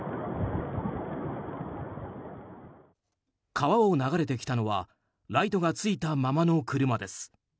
川を流れてきたのはライトがついたままの車です。